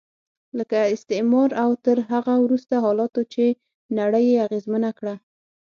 لکه استعمار او تر هغه وروسته حالاتو چې نړۍ یې اغېزمنه کړه.